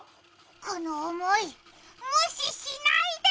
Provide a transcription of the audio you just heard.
この思い、無視しないで！